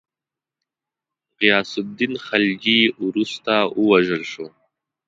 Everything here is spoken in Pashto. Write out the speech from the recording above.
غیاث االدین خلجي وروسته ووژل شو.